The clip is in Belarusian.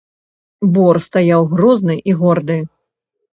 Бор стаяў грозны і горды.